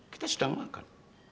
kita sedang makan